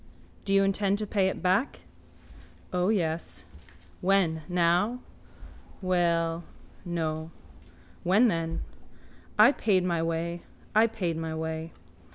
Do you intend to pay it back? O, yes. When? Now? Well... No. When, then? I paid my way. I paid my way.